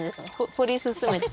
掘り進めて。